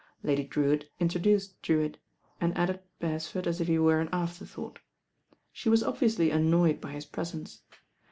Lady Drewitt introduced Drewitt, and added Beresford as if he were an afterthought. She was obviously annoyed by his presence.